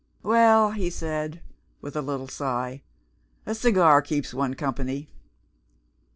"Well!" he said with a little sigh, "a cigar keeps one company."